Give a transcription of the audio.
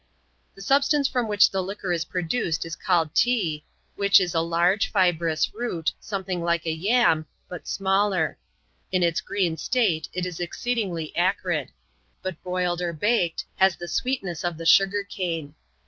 The substance from which the liquor is produced is called *' Tee," which is a large, fibrous root, something like a jam, but smaller. In its green state, it is exceedingly acrid ; but boiled or baked has the sweetness of the sugar cane.